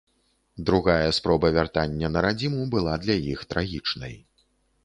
Другая спроба вяртання на радзіму была для іх трагічнай.